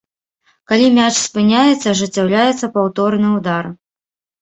Калі мяч спыняецца ажыццяўляецца паўторны ўдар.